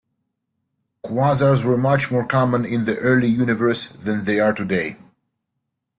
Quasars were much more common in the early universe than they are today.